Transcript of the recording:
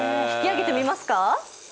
引き上げてみますか。